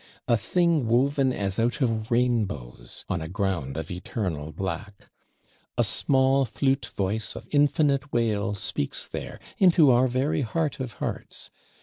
A thing woven as out of rainbows, on a ground of eternal black. A small flute voice of infinite wail speaks there, into our very heart of hearts.